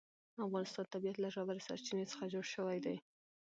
د افغانستان طبیعت له ژورې سرچینې څخه جوړ شوی دی.